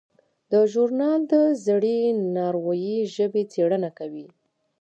دا ژورنال د زړې ناروېي ژبې څیړنه کوي.